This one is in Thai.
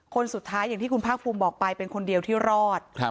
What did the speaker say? คนสุดท้ายอย่างที่คุณภาคภูมิบอกไปเป็นคนเดียวที่รอด